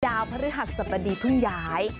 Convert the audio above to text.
ดาวพระธรรมดีพึ่งยาย